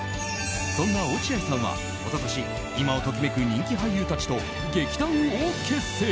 そんな落合さんは一昨年、今を時めく人気俳優たちと劇団を結成。